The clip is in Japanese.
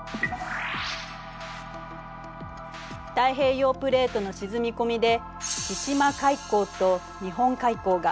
太平洋プレートの沈み込みで「千島海溝」と「日本海溝」が。